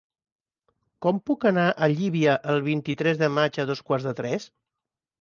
Com puc anar a Llívia el vint-i-tres de maig a dos quarts de tres?